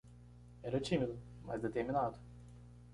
Era tímido, mas determinado